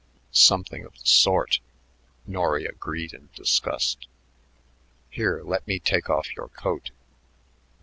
"Something of the sort," Norry agreed in disgust. "Here, let me take off your coat."